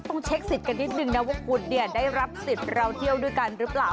ต้องเช็คสิทธิ์กันนิดนึงนะว่าคุณเนี่ยได้รับสิทธิ์เราเที่ยวด้วยกันหรือเปล่า